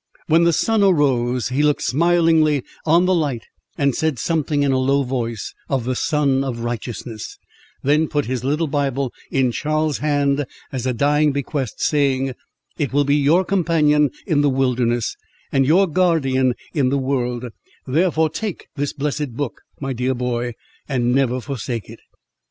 When the sun arose, he looked smilingly on the light and said something, in a low voice, of the Sun of righteousness; then put his little Bible in Charles's hand, as a dying bequest, saying—"It will be your companion in the wilderness, and your guardian in the world; therefore take this blessed book, my dear boy, and never forsake it!"